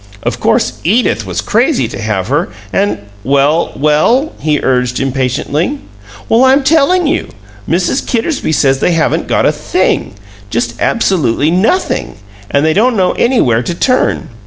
Of course, EDITH was crazy to have her, and " "Well, well?" he urged, impatiently. "Well, I'm TELLING you! Mrs. Kittersby says they haven't got a THING! Just absolutely NOTHING and they don't know anywhere to turn!